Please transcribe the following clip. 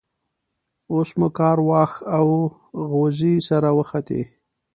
اوس مو کار واښ او غوزی سره وختی.